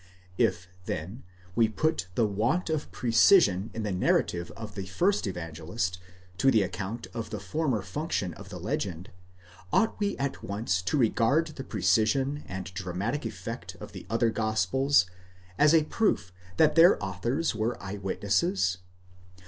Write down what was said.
5 If then we put the want of precision in the narrative of the first Evangelist to the account of the former function of the legend, ought we at once to regard the precision and dramatic effect of the other gospels, as a proof that their authors were eye witnesses?